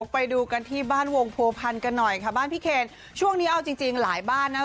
ไปดูกันที่บ้านวงโพพันธ์กันหน่อยค่ะบ้านพี่เคนช่วงนี้เอาจริงจริงหลายบ้านนะ